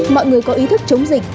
mọi người có ý thức chống dịch